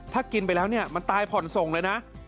ถ้ากินไปแล้วเนี่ยมันตายผ่อนส่งเลยนะ